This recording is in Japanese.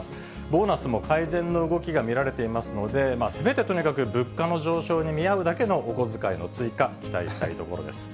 ボーナスも改善の動きが見られていますので、すべてとにかく物価の上昇に見合うだけのお小遣いの追加、期待したいところです。